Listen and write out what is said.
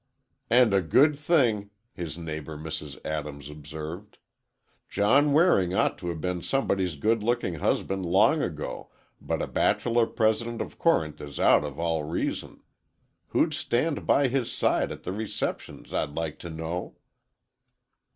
"And a good thing," his neighbor, Mrs. Adams, observed. "John Waring ought to've been somebody's good looking husband long ago, but a bachelor president of Corinth is out of all reason! Who'd stand by his side at the receptions, I'd like to know?"